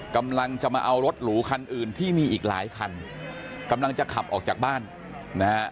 กำลังจะมาเอารถหรูคันอื่นที่มีอีกหลายคันกำลังจะขับออกจากบ้านนะฮะ